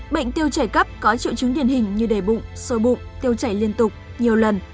bệnh tiêu chảy cấp có triệu chứng điển hình như đề bụng sôi bụng tiêu chảy liên tục nhiều lần